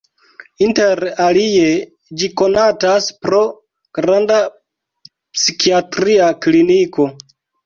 Inter alie ĝi konatas pro granda psikiatria kliniko.